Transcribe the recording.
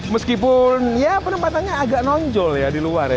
meskipun ya penempatannya agak nonjol ya di luar ya